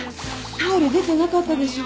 タオル出てなかったでしょ？